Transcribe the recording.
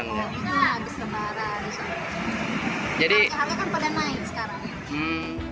harga harga kan pada naik sekarang